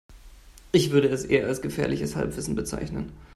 Ich würde es eher als gefährliches Halbwissen bezeichnen.